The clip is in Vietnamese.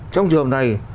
trong trường hợp này